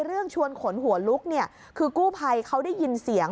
เรื่องชวนขนหัวลุกคือกู้ภัยเขาได้ยินเสียง